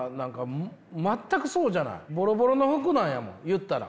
ボロボロの服なんやもん言ったら。